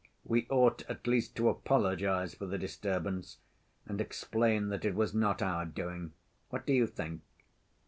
"We ought, at least, to apologize for the disturbance, and explain that it was not our doing. What do you think?"